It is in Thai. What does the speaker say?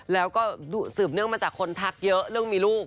แล้วก็สืบเนื่องมาจากคนทักเยอะเรื่องมีลูก